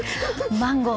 マンゴー！